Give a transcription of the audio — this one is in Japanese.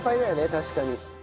確かに。